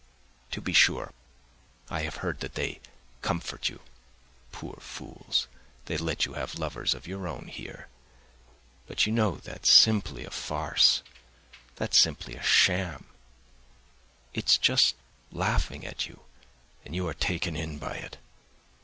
To be sure, I have heard that they comfort you, poor fools, they let you have lovers of your own here. But you know that's simply a farce, that's simply a sham, it's just laughing at you, and you are taken in by it!